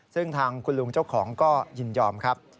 ซึ่งทางคุณลุงเจ้าของก็ยินยอมครับ